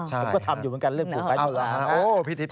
ผมก็ทำอยู่เหมือนกันเริ่มฝูกไปทุกวัน